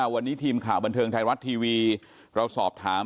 วันนี้ทีมข่าวบันเทิงไทยรัฐทีวีเราสอบถาม